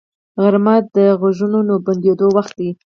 غرمه د غږونو بندیدو وخت دی